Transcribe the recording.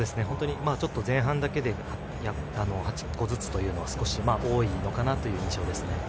ちょっと前半だけで８個ずつというのは少し多いのかなという印象ですね。